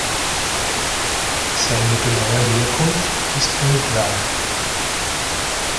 Seine genaue Herkunft ist unklar.